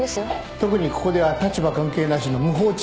特にここでは立場関係なしの無法地帯。